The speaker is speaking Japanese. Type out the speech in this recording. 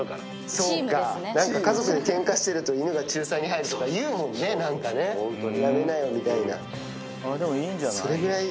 そうか何か家族でケンカしてると犬が仲裁に入るとかいうもんね何かねやめなよみたいな。それぐらい。